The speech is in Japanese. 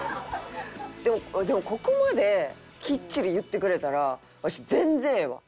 でもここまできっちり言ってくれたらわし全然ええわ。